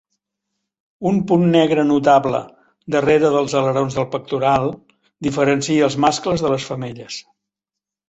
Un punt negre notable darrere dels alerons del pectoral diferencia als mascles de les femelles.